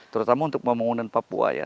terutama untuk pembangunan papua ya